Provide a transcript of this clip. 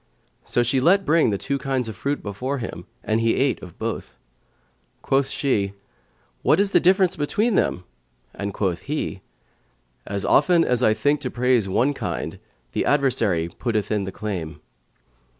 So she let bring the two kinds of fruits before him; and he ate of both. Quoth she, "What is the difference between them?" and quoth he, "As often as I think to praise one kind, the adversary putteth in its claim."